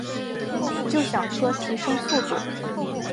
就想说提升速度